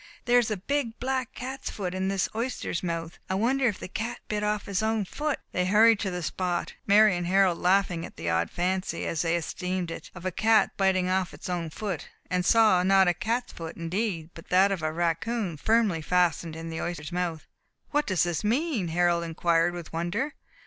There is a big, black cat's foot in this oyster's mouth. I wonder if the cat bit off his own foot!" They hurried to the spot, Mary and Harold laughing at the odd fancy, as they esteemed it, of a cat biting off its own foot, and saw, not a cat's foot indeed, but that of a raccoon, firmly fastened in the oyster's mouth. "What does this mean?" Harold inquired, with wonder.